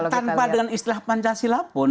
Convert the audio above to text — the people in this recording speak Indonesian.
tanpa dengan istilah pancasila pun